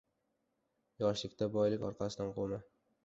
• Yoshlikda boylik orqasidan quvma.